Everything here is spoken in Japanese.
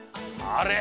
あれ？